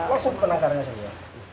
langsung ke penangkarnya saja ya